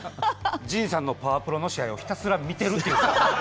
陣さんのパワプロの試合をひたすら見るという。